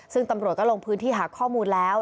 ซึ่งตำรวจก็ลงพื้นที่หาข้อมูลแล้ว